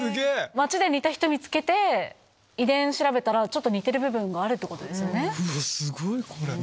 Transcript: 街で似た人見つけて遺伝子調べたら似てる部分があるってことですね。